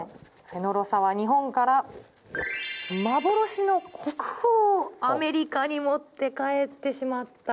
フェノロサは日本から幻の国宝をアメリカに持って帰ってしまった。